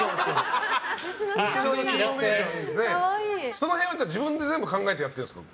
その辺は自分で全部考えてやってるんですか？